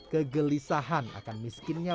kegelisahan akan miskinnya